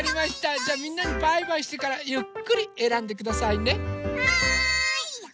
じゃあみんなにバイバイしてからゆっくりえらんでくださいね。